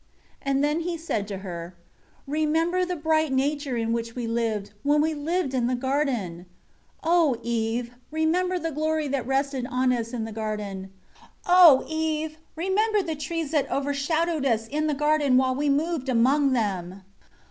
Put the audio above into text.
7 He then said to her, "Remember the bright nature in which we lived, when we lived in the garden! 8 O Eve! Remember the glory that rested on us in the garden. O Eve! Remember the trees that overshadowed us in the garden while we moved among them.